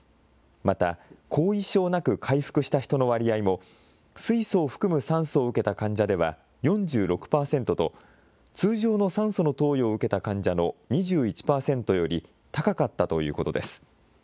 また、後遺症なく回復した人の割合も、水素を含む酸素を受けた患者では４６％と、通常の酸素の投与を受けた患者の２１％より高かったということです。